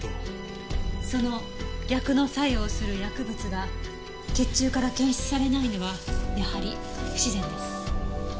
その逆の作用をする薬物が血中から検出されないのはやはり不自然です。